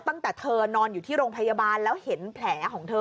ตั้งแต่เธอนอนอยู่ที่โรงพยาบาลแล้วเห็นแผลของเธอ